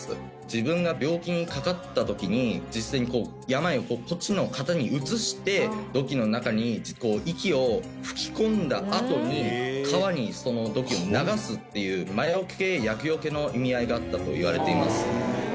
自分が病気にかかった時に実際に病をこっちの型に移して土器の中に息を吹き込んだあとに川にその土器を流すっていう魔除け厄除けの意味合いがあったといわれています。